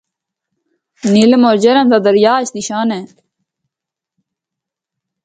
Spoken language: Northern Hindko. نیلم اور جہلم دا دریا اس دی شان اے۔